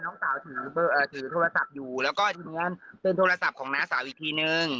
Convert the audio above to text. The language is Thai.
น้องสาวถือโทรศัพท์อยู่แล้วก็ทีนี้เป็นโทรศัพท์ของน้าสาวอีกทีนึง